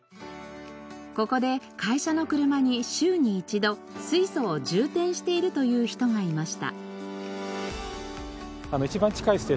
ここで会社の車に週に１度水素を充填しているという人がいました。